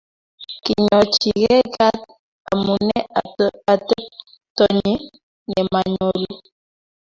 Kinyochikei Kat amune ateptonyi ne manyolu